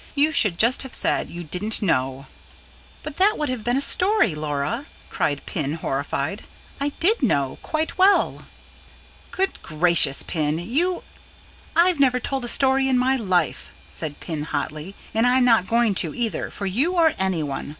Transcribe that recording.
You should just have said you didn't know." "But that would have been a story, Laura!" cried Pin, horrified "I did know quite well." "Goodness gracious, Pin, you " "I've never told a story in my life," said Pin hotly. "And I'm not going to either, for you or anyone.